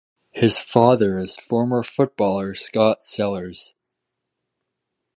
His father is former footballer Scott Sellars.